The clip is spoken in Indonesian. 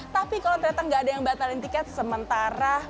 tapi kalau ternyata nggak ada yang batalin tiket sementara